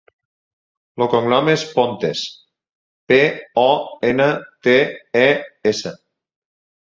El cognom és Pontes: pe, o, ena, te, e, essa.